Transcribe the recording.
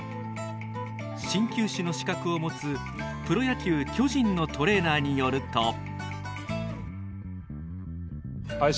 鍼灸師の資格を持つプロ野球巨人のトレーナーによると。